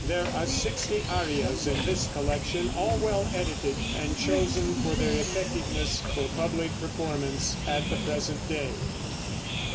There are sixty arias in this collection, all well edited, and chosen for their effectiveness for public performance at the present day.